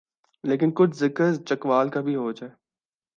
لیکن کچھ ذکر چکوال کا بھی ہو جائے۔